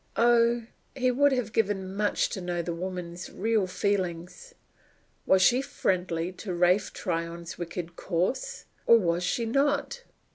Oh, he would have given much to know the woman's real feelings. Was she friendly to Ralph Tryon's wicked course; or, was she not?